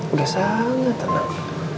udah sangat tenang